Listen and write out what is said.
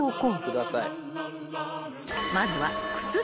［まずは］